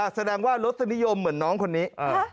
แสดงว่ารสนิยมเหมือนน้องคนนี้